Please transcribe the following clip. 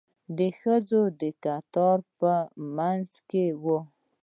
د ښځو کتار به په منځ کې وي.